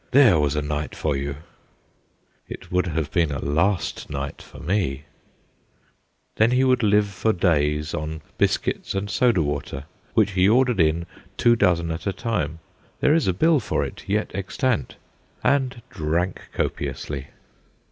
There was a night for you !' It would have been a last night for me ! Then he would live for days on biscuits and soda water, which he ordered in two dozen at a time there is a bill for it yet extant and drank copiously.